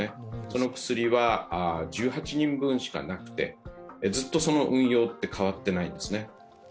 その薬は１８人分しかなくてずっとその運用って変わっていないんですね。